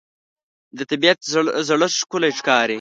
د طبیعت زړښت ښکلی ښکاري